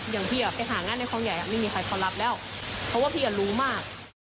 อย่างพี่ไปหางานในคลองใหญ่ไม่มีใครเขารับแล้วเพราะว่าพี่รู้มาก